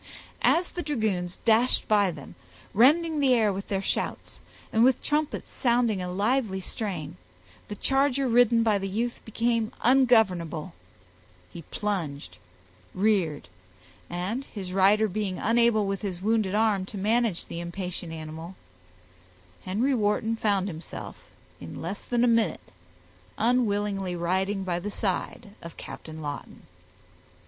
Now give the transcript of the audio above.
As the dragoons dashed by them, rending the air with their shouts, and with trumpets sounding a lively strain, the charger ridden by the youth became ungovernable—he plunged, reared, and his rider being unable with his wounded arm, to manage the impatient animal, Henry Wharton found himself, in less than a minute, unwillingly riding by the side of Captain Lawton.